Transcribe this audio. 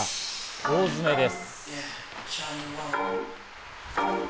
大詰めです。